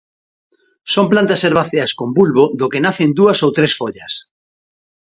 Son plantas herbáceas con bulbo do que nacen dúas ou tres follas.